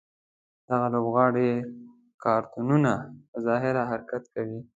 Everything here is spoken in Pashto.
دغه لوبغاړي کارتونونه په ظاهره حرکت کوي.